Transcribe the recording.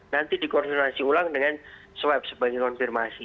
nanti dikonsumsi ulang dengan swab sebagai konfirmasi